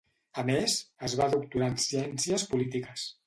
A més, es va doctorar en Ciències Polítiques.